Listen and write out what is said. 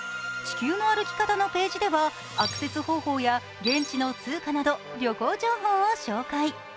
「地球の歩き方」のページではアクセス方法や現地の通貨など旅行情報を紹介。